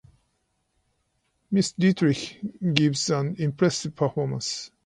Miss Dietrich gives an impressive performance.